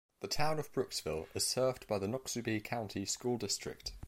The town of Brooksville is served by the Noxubee County School District.